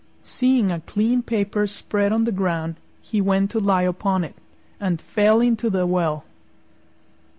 Seeing a clean paper spread on the ground, he went to lie upon it, and fell into the well.